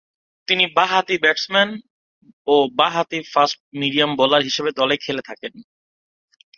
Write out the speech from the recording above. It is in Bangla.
তিনি বা-হাতি ব্যাটসম্যান ও বা-হাতি ফাস্ট-মিডিয়াম বোলার হিসেবে দলে খেলে থাকেন।